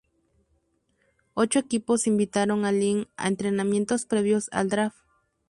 Ocho equipos invitaron a Lin a entrenamientos previos al Draft.